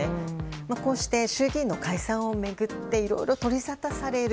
こうして、衆議院の解散を巡っていろいろと取りざたされる。